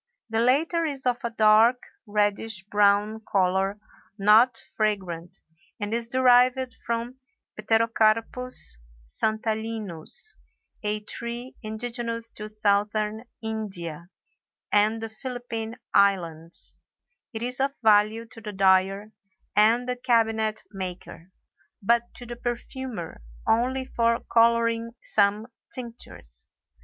The latter is of a dark reddish brown color, not fragrant, and is derived from Pterocarpus santalinus, a tree indigenous to Southern India, and the Philippine Islands; it is of value to the dyer and the cabinet maker, but to the perfumer only for coloring some tinctures.